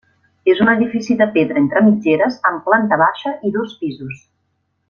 És un edifici de pedra entre mitgeres amb planta baixa i dos pisos.